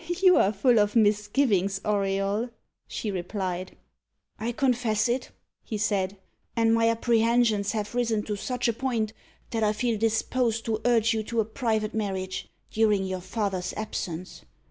"You are full of misgivings, Auriol," she replied. "I confess it," he said; "and my apprehensions have risen to such a point, that I feel disposed to urge you to a private marriage, during your father's absence."